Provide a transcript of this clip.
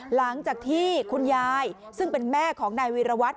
หลังจากที่คุณยายซึ่งเป็นแม่ของนายวีรวัตร